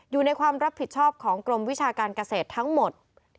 อยู่ในความรับผิดชอบของกรมวิชาการเกษตรทั้งหมด